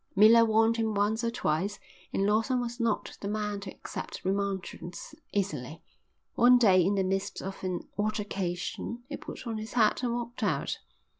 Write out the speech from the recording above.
Miller warned him once or twice and Lawson was not the man to accept remonstrance easily. One day in the midst of an altercation he put on his hat and walked out.